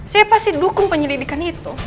saya pasti dukung penyelidikan itu